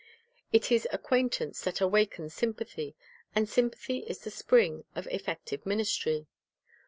It is acquaintance that awakens sympathy, and sym pathy is the spring of effective ministry.